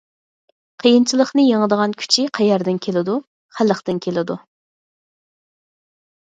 قىيىنچىلىقنى يېڭىدىغان كۈچى قەيەردىن كېلىدۇ؟ خەلقتىن كېلىدۇ.